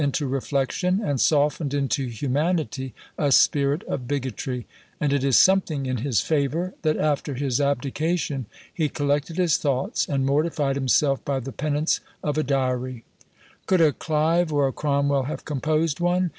Adversity had schooled him into reflection, and softened into humanity a spirit of bigotry; and it is something in his favour, that after his abdication he collected his thoughts, and mortified himself by the penance of a diary. Could a Clive or a Cromwell have composed one?